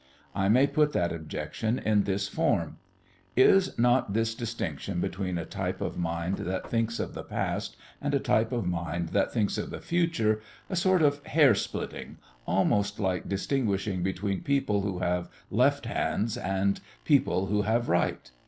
I may put that objection in this form: Is not this distinction between a type of mind that thinks of the past and a type of mind that thinks of the future a sort of hair splitting, almost like distinguishing between people who have left hands and people who have right?